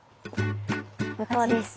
向こうです。